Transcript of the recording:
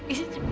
aku di rumah